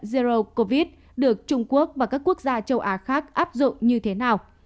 zero covid được trung quốc và các quốc gia châu á khác áp dụng như thế nào